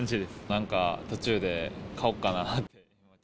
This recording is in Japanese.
なんか途中で買おっかな。